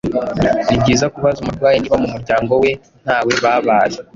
ni byiza kubaza umurwayi niba mu muryango we ntawe babaze